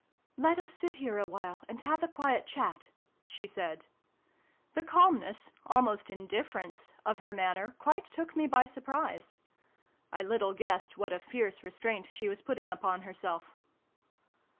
" Let us sit here awhile, and have a quiet chat," she said. The calmness almost in difference of her manner quite took me by surprise. I little guessed what a fierce restraint she was putting upon herself.